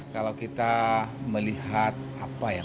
kalau kita melihat apa yang